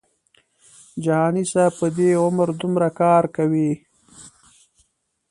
جهاني صاحب په دې عمر دومره کار کوي.